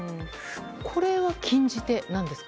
これは禁じ手なんですか？